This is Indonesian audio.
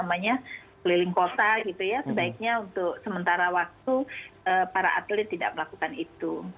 sebaiknya untuk sementara waktu para atlet tidak melakukan itu